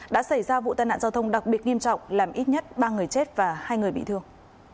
đã xảy ra vụ tai nạn giao thông đặc biệt nghiêm trọng làm ít nhất ba người chết và hai người bị thương